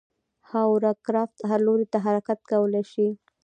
هاورکرافت هر لوري ته حرکت کولی شي.